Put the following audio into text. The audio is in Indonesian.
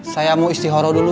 saya mau istihoroh dulu